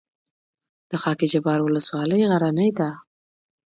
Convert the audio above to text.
د خاک جبار ولسوالۍ غرنۍ ده